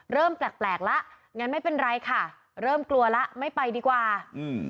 เริ่มแปลกแปลกแล้วงั้นไม่เป็นไรค่ะเริ่มกลัวแล้วไม่ไปดีกว่าอืม